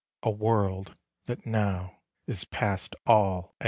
\ world that now is past all ,i.'>